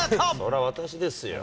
そりゃ、私ですよ。